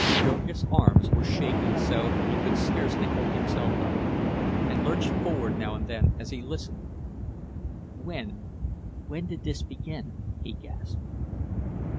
Jurgis' arms were shaking so that he could scarcely hold himself up, and lurched forward now and then as he listened. "When—when did this begin?" he gasped.